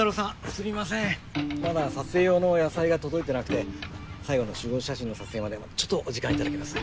すいませんまだ撮影用の野菜が届いてなくて最後の集合写真の撮影までちょっとお時間いただきます。